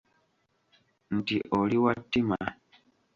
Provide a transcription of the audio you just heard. Nti oli wa ttima.